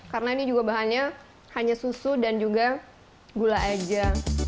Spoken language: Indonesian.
karena ini juga bahannya hanya susu dan juga gula aja